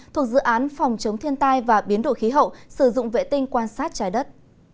thuộc dự án phòng chống thiên tai và biến đổi khí hậu sử dụng vệ tinh quan sát trái đất